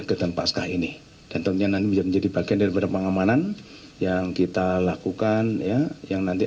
ketempatkah ini tentunya nanti menjadi bagian dari pengamanan yang kita lakukan ya yang nanti